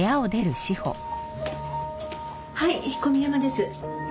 はい小宮山です。